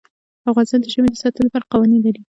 افغانستان د ژمی د ساتنې لپاره قوانین لري.